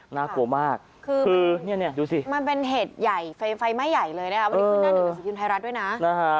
น่ากลัวมากคือเนี่ยเนี่ยดูสิมันเป็นเหตุใหญ่ไฟไฟไม่ใหญ่เลยนะฮะ